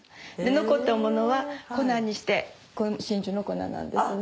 残ったものは粉にしてこれ真珠の粉なんですね。